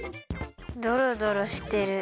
ドロドロしてる。